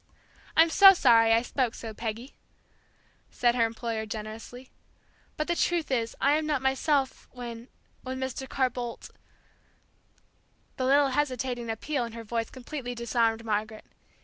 "I'm so sorry I spoke so, Peggy," said her employer, generously. "But the truth is, I am not myself when when Mr. Carr Boldt " The little hesitating appeal in her voice completely disarmed Margaret.